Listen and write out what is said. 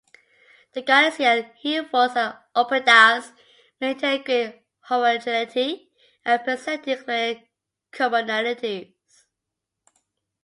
The Gallaecian hillforts and oppidas maintained a great homogeneity and presented clear commonalities.